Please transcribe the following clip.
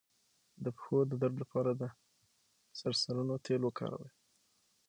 د پښو د درد لپاره د سرسونو تېل وکاروئ